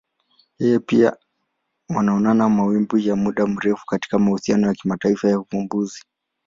Yeye pia wanaona mawimbi ya muda mrefu katika mahusiano ya kimataifa ya uvumbuzi.